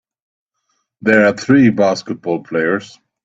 There are three basketball players